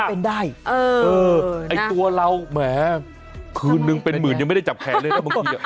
เออไอ้ตัวเราแม้ขึ้นนึงเป็นหมื่นยังไม่ได้จับแขนเลยนะบางที